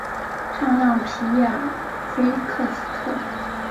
圣让皮耶尔菲克斯特。